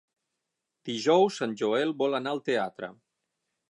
Dijous en Joel vol anar al teatre.